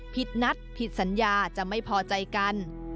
นัดผิดสัญญาจะไม่พอใจกัน